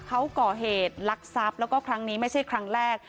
เขาก่อเหตุลักษัพแล้วก็ครั้งนี้ไม่ใช่ครั้งแรก